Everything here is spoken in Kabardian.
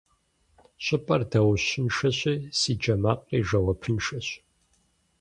ЩӀыпӀэр даущыншэщи, си джэ макъри жэуапыншэщ.